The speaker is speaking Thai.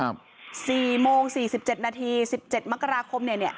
๔โมง๔๗นาที๑๗มกราคมเนี่ย